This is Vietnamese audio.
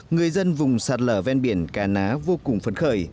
người dân vùng sạt lở ven biển cà ná vô cùng phấn khởi